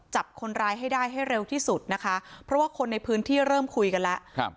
จับคนร้ายให้ได้ให้เร็วที่สุดนะคะเพราะว่าคนในพื้นที่เริ่มคุยกันแล้วครับ